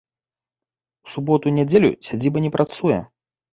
У суботу і нядзелю сядзіба не працуе.